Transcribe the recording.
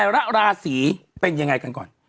แล้วก็๑๙